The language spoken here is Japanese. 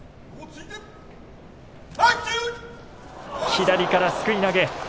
左から、すくい投げ。